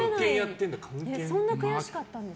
そんな悔しかったんですか？